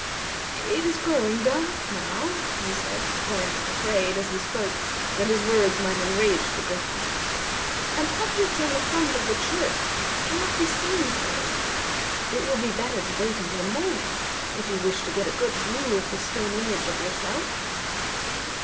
"It is growing dark, now," he said, very much afraid, as he spoke, that his words might enrage the Griffin, "and objects on the front of the church can not be seen clearly. It will be better to wait until morning, if you wish to get a good view of the stone image of yourself."